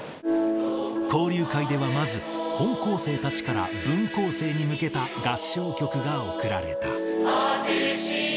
交流会ではまず、本校生たちから分校生に向けた合唱曲が送られた。